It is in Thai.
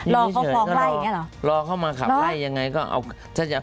รอเขาฟองไล่อย่างนี้หรอรอเขามาขับไล่ยังไงก็เอา